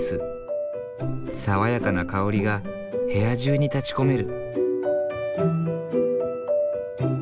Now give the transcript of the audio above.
爽やかな香りが部屋中に立ちこめる。